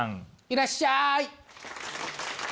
いらっしゃい！